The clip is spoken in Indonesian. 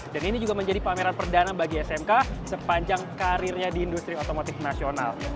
dan ini juga menjadi pameran perdana bagi smk sepanjang karirnya di industri otomotif nasional